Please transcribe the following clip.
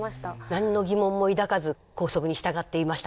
何の疑問も抱かず校則に従っていましたか？